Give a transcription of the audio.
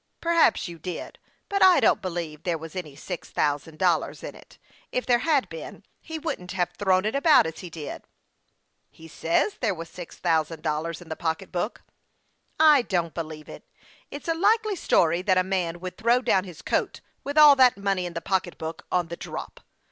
" Perhaps you did, but I don't believe there was any six thousand dollars in it. If there had been, he wouldn't have thrown it about as he did." " He says there was six thousand dollars in the pocketbook." " I don't believe it. It's a likely story that a man would throw down his coat, with all that money in the pocket, on the drop.